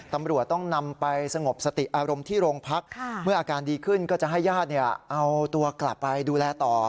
ตำรวจต้องนำไปสงบสติอารมณ์ที่โรงพักเมื่ออาการดีขึ้นก็จะให้ญาติเอาตัวกลับไปดูแลต่อ